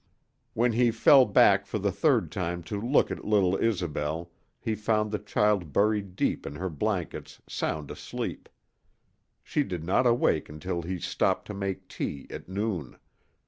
When he fell back for the third time to look at little Isobel he found the child buried deep in her blankets sound asleep. She did not awake until he stopped to make tea at noon.